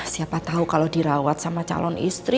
siapa tahu kalau dirawat sama calon istri